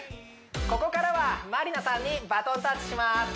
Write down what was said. ここからはまりなさんにバトンタッチします